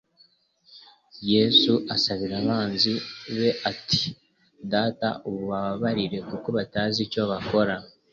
Yesu asabira abanzi be ati: "Data, ubababarire kuko batazi icyo bakora."